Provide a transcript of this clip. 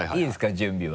準備は。